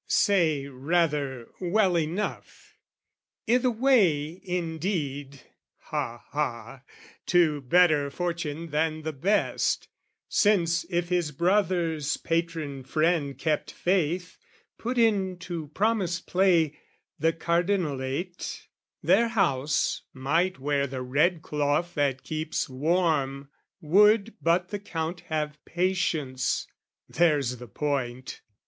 Say rather, well enough i' the way, indeed, Ha, ha, to better fortune than the best, Since if his brother's patron friend kept faith, Put into promised play the Cardinalate, Their house might wear the red cloth that keeps warm, Would but the Count have patience there's the point!